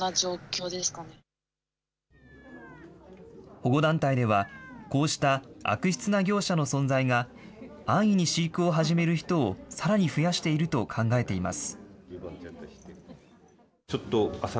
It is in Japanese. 保護団体では、こうした悪質な業者の存在が、安易に飼育を始める人をさらに増やしていると考えています。